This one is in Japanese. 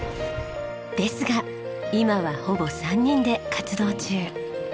ですが今はほぼ３人で活動中。